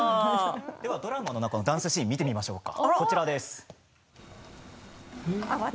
ドラマの中のダンスシーンを見てみましょうか。